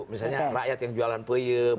misalnya rakyat yang jualan peyem